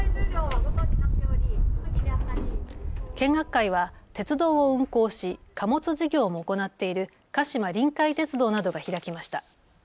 見学会は鉄道を運行し貨物事業も行っている鹿島臨海鉄道などが開きました。